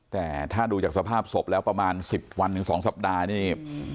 แต่ถ้าดูจากสภาพศพแล้วประมาณ๑๐วันถึง๒สัปดาห์นี่